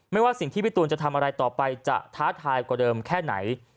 ว่าสิ่งที่พี่ตูนจะทำอะไรต่อไปจะท้าทายกว่าเดิมแค่ไหน